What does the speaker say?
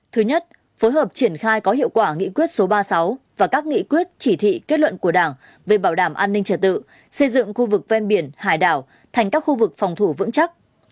thứ nhất phối hợp triển khai có hiệu quả nghị quyết số ba mươi sáu và các nghị quyết chỉ thị kết luận của đảng về bảo đảm an ninh trật tự xây dựng khu vực ven biển hải đảo thành các khu vực phòng thủ vững chắc